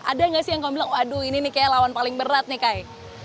ada nggak sih yang kamu bilang waduh ini nih kayaknya lawan paling berat nih kay